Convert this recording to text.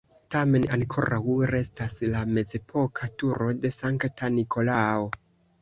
Tamen ankoraŭ restas la mezepoka turo de Sankta Nikolao.